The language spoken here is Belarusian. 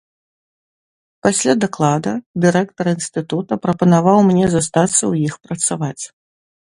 Пасля даклада дырэктар інстытута прапанаваў мне застацца ў іх працаваць.